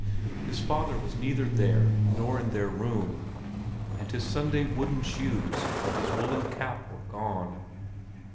His father was neither there nor in their room, and his Sunday wooden shoes and his woollen cap were gone.